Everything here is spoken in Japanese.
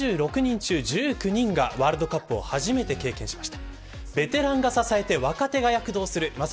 今回２６人中１９人がワールドカップを初めて経験しました。